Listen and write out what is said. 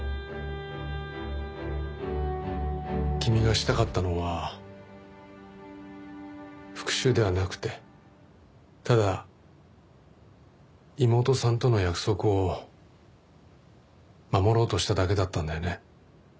君がしたかったのは復讐ではなくてただ妹さんとの約束を守ろうとしただけだったんだよね。